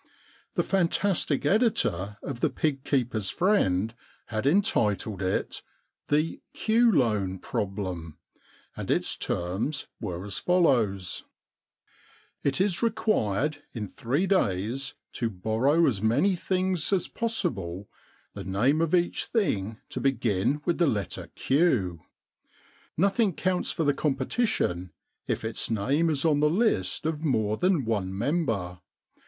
The fantastic editor of The Pig Keepers' Friend had entitled it, * The Q Loan Problem,* and its terms were as follows :—* It is required in three days to borrow as many things as possible, the name of each 200 The Threepenny Problem thing to begin with the letter Q. Nothing counts for the competition if its name is on the list of more than one member.